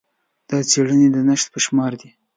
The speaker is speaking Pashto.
دا څېړنې د نشت په شمار دي.